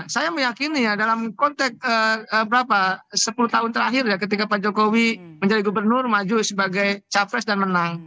saya meyakini ya dalam konteks berapa sepuluh tahun terakhir ketika pak jokowi menjadi gubernur maju sebagai capres dan menang